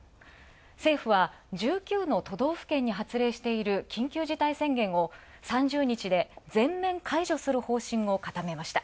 政府は１９の都道府県に発令している緊急事態宣言を３０日で全面解除する方針を固めました。